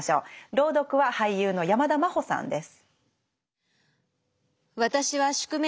朗読は俳優の山田真歩さんです。